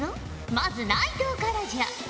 まず内藤からじゃ。